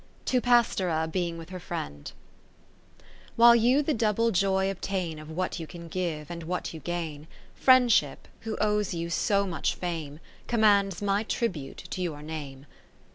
To Pastora belnor with her Friend While you the double joy obtain Of what you give, and what you gain : Friendship, who owes you so much fame. Commands my tribute to your name.